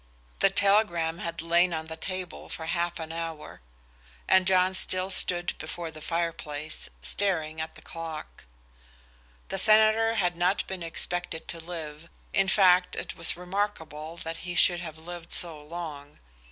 The telegram had lain on the table for half an hour, and John still stood before the fire place, staring at the clock. The senator had not been expected to live, in fact it was remarkable that he should have lived so long.